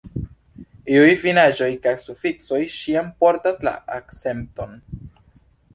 Iuj finaĵoj kaj sufiksoj ĉiam portas la akcenton.